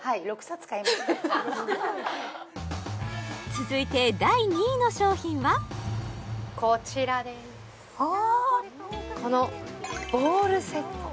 続いて第２位の商品はこちらですこのボールセット